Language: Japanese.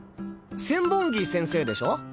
千本木先生でしょ